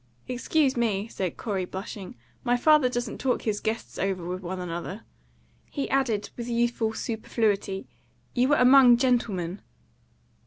"Excuse me," said Corey, blushing, "my father doesn't talk his guests over with one another." He added, with youthful superfluity, "You were among gentlemen."